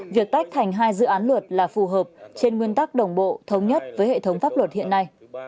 việc tách thành hai dự án luật là phù hợp trên nguyên tắc đồng bộ thống nhất với hệ thống pháp luật hiện nay